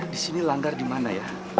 di sini langgar di mana ya